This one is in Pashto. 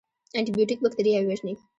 انټي بیوټیک بکتریاوې وژني